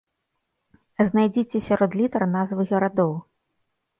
Знайдзіце сярод літар назвы гарадоў.